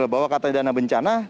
bahwa katanya dana bencana